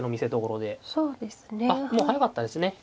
あっもう速かったですね。